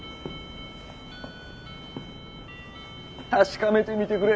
確かめてみてくれ。